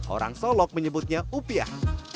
orang solok menyebutnya upiah